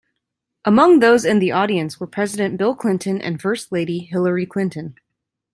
Among those in the audience were President Bill Clinton and First Lady Hillary Clinton.